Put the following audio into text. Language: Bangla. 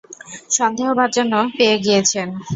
সন্দেহভাজনও পেয়ে গিয়েছন।